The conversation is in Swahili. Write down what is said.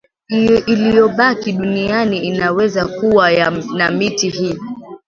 iliyobaki duniani inaweza kuwa na miti hii